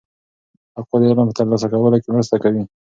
تقوا د علم په ترلاسه کولو کې مرسته کوي.